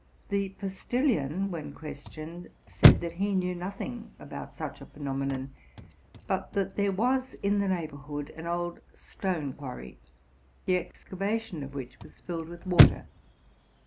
The postilion, when questioned, said that he knew nothing about such a phenomenon, but that there was in the neighborhood an old stone quarry, the excavation of which was filled with water.